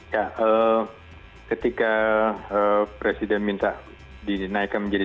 ya ketika presiden minta dinaikkan menjadi